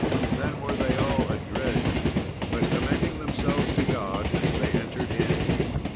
Then were they all adread, but, commending themselves to God, they entered in.